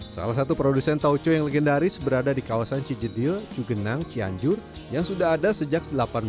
salah satu produsen tauco yang legendaris berada di kawasan cijedil cugenang cianjur yang sudah ada sejak seribu delapan ratus sembilan puluh